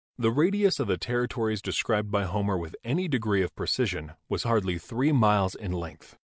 The radius of the territories described by Homer with any degree of precision was hardly three miles in length.